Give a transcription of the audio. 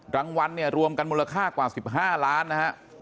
รางวัลรวมกันมูลค่ากว่า๑๕ล้านนะครับ